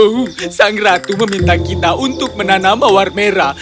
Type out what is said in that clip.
oh sang ratu meminta kita untuk menanam mawar merah